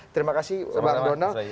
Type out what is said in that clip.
terima kasih bang donald